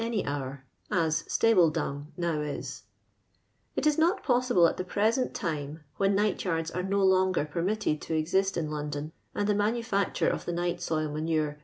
ny hour, as stable dung now is. It is not pos>i}dt> at the pro«^ent lime, when ni'^ht ynrds aro nolon;,'or lumniiicd to cxi.st in London, nnd the nianut'ac tr.ro of th(> night soil minuro i.